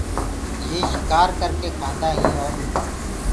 يي شڪآر ڪرڪي کآدآئينٚ اور